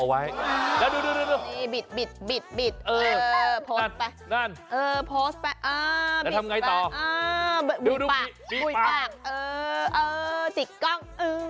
มันเป็นจริตน้อง